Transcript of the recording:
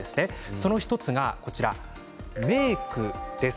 その１つがメークです。